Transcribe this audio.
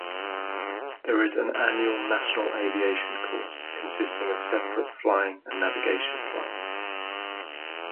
There is an annual National Aviation Course, consisting of separate Flying and Navigation flights.